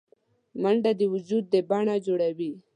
منډه د وجود د بڼه جوړوي